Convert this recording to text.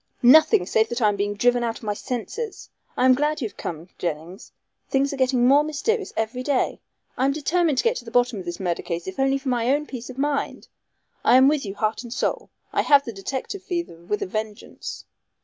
"Nothing, save that I am being driven out of my senses. I am glad you have come, Jennings. Things are getting more mysterious every day. I am determined to get to the bottom of this murder case if only for my own peace of mind. I am with you heart and soul. I have the detective fever with a vengeance.